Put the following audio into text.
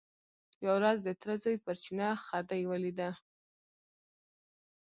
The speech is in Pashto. یوه ورځ د تره زوی پر چینه خدۍ ولیده.